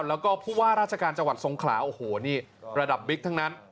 แล้วก็ผู้ว่าราชการจังหวัดทรงขลาโอ้โหนี่ระดับบิ๊กทั้งนั้น